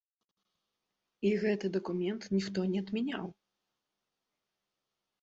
І гэты дакумент ніхто не адмяняў!